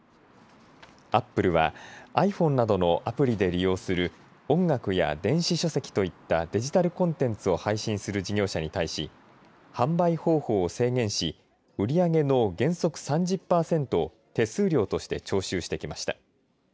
アップルはｉＰｈｏｎｅなどのアプリで利用する音楽や電子書籍といったデジタルコンテンツを配信する事業者に対し販売方法を制限し売り上げの原則３０パーセントを手数料として徴収してきました。